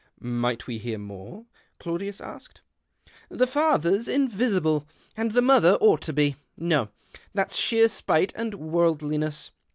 " Might we hear more ?" Claudius asked. " The father's invisible, and the mother ought to be. No ; that's sheer spite and worldliness.